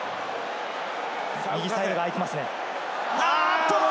右サイドが空いています。